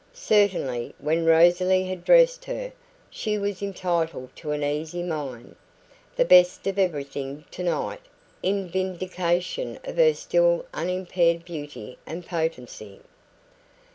Certainly, when Rosalie had dressed her, she was entitled to an easy mind. The best of everything tonight, in vindication of her still unimpaired beauty and potency.